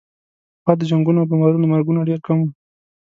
پخوا د جنګونو او بمبارونو مرګونه ډېر کم وو.